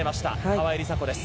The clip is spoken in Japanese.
川井梨紗子です。